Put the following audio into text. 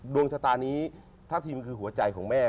ดวงชะตานี้ทัพทิมคือหัวใจของแม่